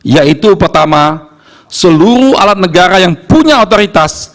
yaitu pertama seluruh alat negara yang punya otoritas